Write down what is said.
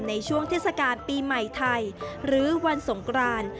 ในช่วงเทศกาลปีใหม่ไทยหรือวันสงคราน